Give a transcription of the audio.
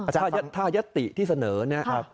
ถ้าถ้ายาติที่เสนอนะครับ